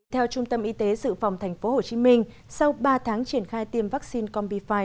theo trung tâm y tế dự phòng tp hcm sau ba tháng triển khai tiêm vaccine combi fi